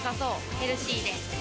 ヘルシーで。